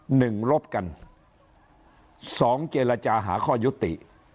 หนึ่งรบกันสองเจรจาหาข้อยุติ